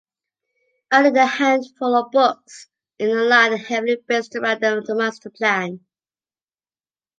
Only a handful of books in the line are heavily based around the Masterplan.